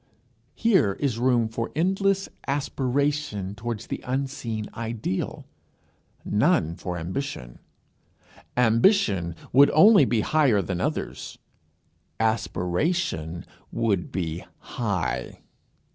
Here is room for endless aspiration towards the unseen ideal; none for ambition. Ambition would only be higher than others; aspiration would be high.